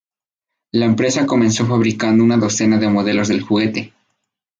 La empresa comenzó fabricando una docena de modelos del juguete.